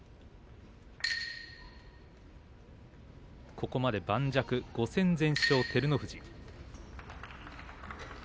ここまで盤石５戦全勝の照ノ富士です。